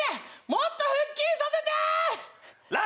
もっと腹筋させてー！